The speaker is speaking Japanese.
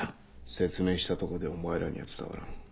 説明したとこでお前らには伝わらん。